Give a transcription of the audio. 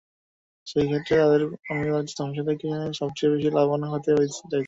সেই ক্ষেত্রে তারা তাদের অনিবার্য ধ্বংস থেকে সবচেয়ে বেশি লাভবান হতে চাইছে।